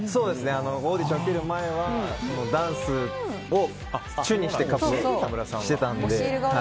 オーディション受ける前はダンスを主にして活動していたので。